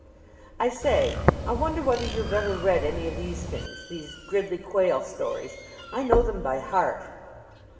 "I say, I wonder whether you've ever read any of these things these Gridley Quayle stories? I know them by heart."